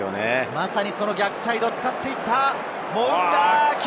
まさに、その逆サイドを使っていった！